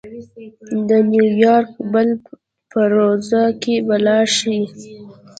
د نیویارک بل پرواز کې به لاړشې.